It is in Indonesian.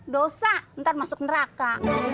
dosa ntar masuk neraka